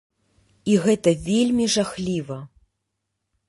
І гэта вельмі жахліва!